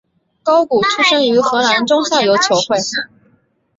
高古出身于荷兰中下游球会。